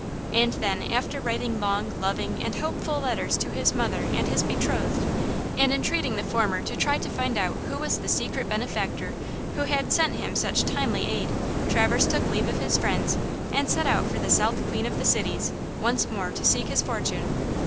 And then, after writing long, loving and hopeful letters to his mother and his betrothed, and entreating the former to try to find out who was the secret benefactor who had sent him such timely aid, Traverse took leave of his friends, and set out for the Southern Queen of the Cities, once more to seek his fortune.